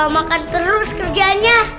makan terus kerjanya